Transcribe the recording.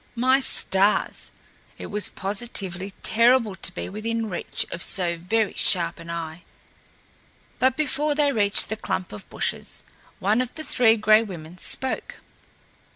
My stars! it was positively terrible to be within reach of so very sharp an eye! But before they reached the clump of bushes, one of the Three Gray Women spoke.